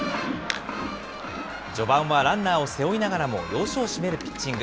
序盤はランナーを背負いながらも要所を締めるピッチング。